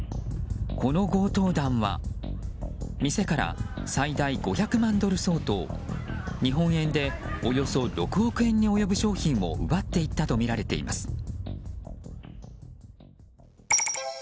この強盗団は店から最大５００万ドル相当日本円でおよそ６億円に及ぶ商品を奪っていったとみられています。